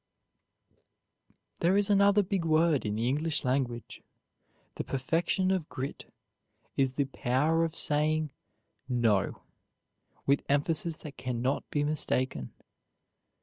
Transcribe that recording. There is another big word in the English language: the perfection of grit is the power of saying "No," with emphasis that can not be mistaken.